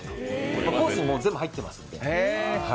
コースに全部入ってますから。